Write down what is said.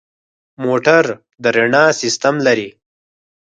موټر د رڼا سیستم لري.